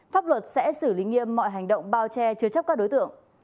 pháp luật sẽ xử lý nghiêm mọi hành động bao che chứa chấp các đối tượng